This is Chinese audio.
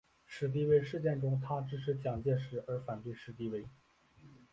史迪威事件中他支持蒋介石而反对史迪威。